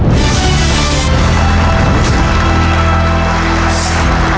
ตัวเลือดที่สี่ยีราฟครับ